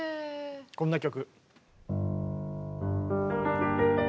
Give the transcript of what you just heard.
こんな曲。